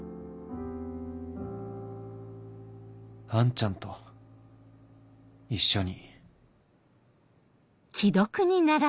アンちゃんと一緒に